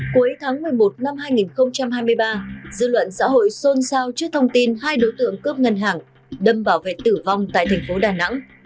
cuối tháng một mươi một năm hai nghìn hai mươi ba dư luận xã hội xôn xao trước thông tin hai đối tượng cướp ngân hàng đâm bảo vệ tử vong tại thành phố đà nẵng